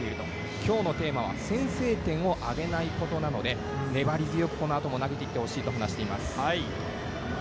きょうのテーマは先制点をあげないことなので、粘り強くこのあとも投げていってほしいと話しています。